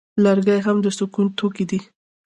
لرګي هم د سون توکي دي